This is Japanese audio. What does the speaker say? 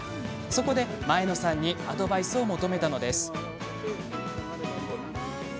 そこで、前野さんにアドバイスを求めたのです。